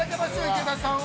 池田さんは。